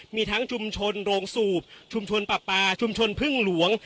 มีทั้งชุมชนโรงสูบชุมชนปลาปลาชุมชนพึ่งหลวง